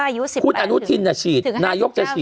อายุ๑๐แปลถึงถึง๕๕แล้วไง